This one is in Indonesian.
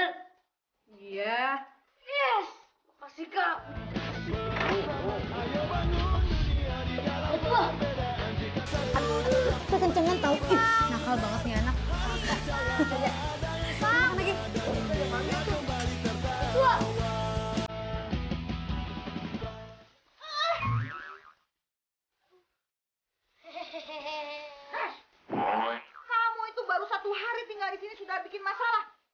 kamu itu baru satu hari tinggal di sini sudah bikin masalah sekarang belakang tempat tidur